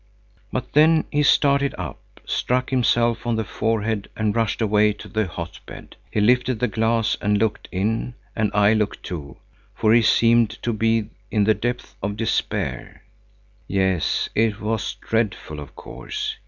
"But then he started up, struck himself on the forehead and rushed away to the hotbed. He lifted the glass and looked in, and I looked too, for he seemed to be in the depths of despair. Yes, it was dreadful, of course.